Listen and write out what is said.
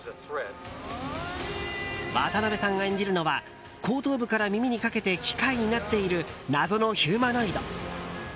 渡辺さんが演じるのは後頭部から耳にかけて機械になっている謎のヒューマノイド。